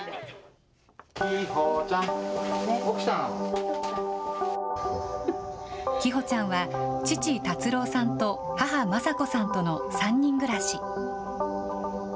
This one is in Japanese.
希帆ちゃん、希帆ちゃんは、父、達郎さんと、母、雅子さんとの３人暮らし。